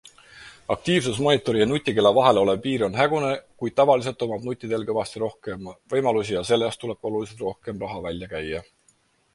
Aktiivsusmonitori ja nutikella vahel olev piir on hägune, kuid tavaliselt omab nutikell kõvasti rohkem võimalusi ja selle eest tuleb ka oluliselt rohkem raha välja käia.